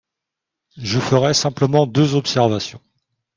Je ferai simplement deux observations.